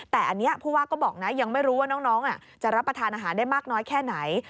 แต่อันนี้ผู้ว่าก็บอกนะยังไม่รู้ว่าน้องจะรับประทานอาหารได้มากน้อยแค่ไหน